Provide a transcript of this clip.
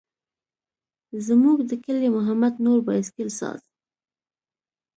زموږ د کلي محمد نور بایسکل ساز.